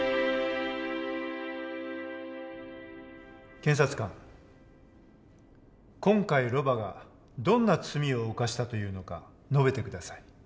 検察官今回ロバがどんな罪を犯したというのか述べて下さい。